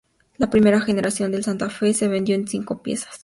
La primera generación del Santa Fe se vendió con cinco plazas.